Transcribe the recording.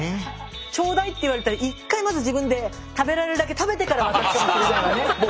ちょうだいって言われたら一回まず自分で食べられるだけ食べてから渡したりするじゃないね。